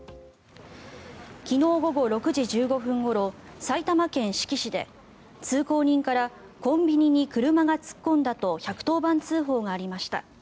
昨日午後６時１５分ごろ埼玉県志木市で通行人からコンビニに車が突っ込んだと１１０番通報がありました。